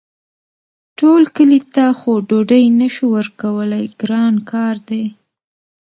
ټول کلي ته خو ډوډۍ نه شو ورکولی ګران کار دی.